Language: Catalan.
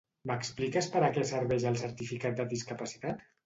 M'expliques per a què serveix el certificat de discapacitat?